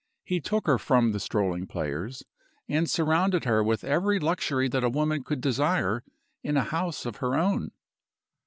He took her from the strolling players, and surrounded her with every luxury that a woman could desire in a house of her own.